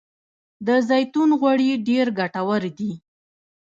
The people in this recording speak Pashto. د زیتون غوړي ډیر ګټور دي.